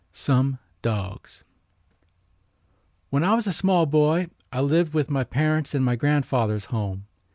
SOME DOGS. When I was a small boy I lived with my parents in my grandfather's home.